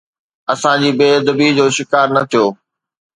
اسان جي بي ادبيءَ جو شڪار نه ٿيو.